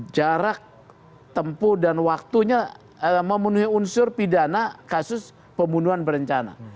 jarak tempuh dan waktunya memenuhi unsur pidana kasus pembunuhan berencana